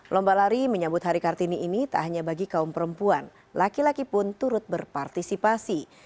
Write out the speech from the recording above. lomba lari menyambut hari kartini ini tak hanya bagi kaum perempuan laki laki pun turut berpartisipasi